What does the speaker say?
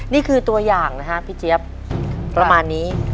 นี่คือตัวอย่างนะฮะพี่เจี๊ยบประมาณนี้